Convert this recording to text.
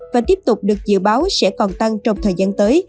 và tiếp tục được dự báo sẽ còn tăng trong thời gian tới